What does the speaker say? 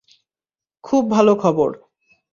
খুব ভালো খবর।